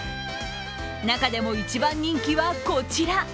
中でも一番人気はこちら。